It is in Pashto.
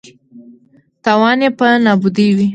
تاوان یې په نابودۍ وي.